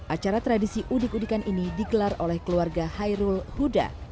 acara tradisi udik udikan ini digelar oleh keluarga hairul huda